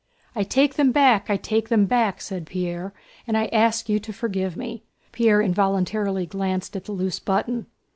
"I take them back, I take them back!" said Pierre, "and I ask you to forgive me." Pierre involuntarily glanced at the loose button.